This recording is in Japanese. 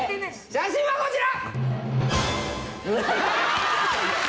・写真はこちら！